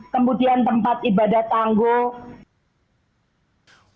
kemudian tempat ibadah tangguh